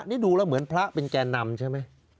นี่ดูแล้วเหมือนพระเป็นแก่นำใช่ไหม